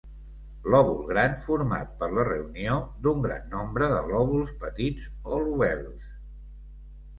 Lòbul gran format per la reunió d'un gran nombre de lòbuls petits o lobels.